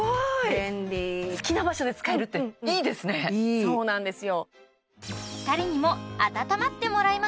便利好きな場所で使えるっていいですねいいそうなんですよ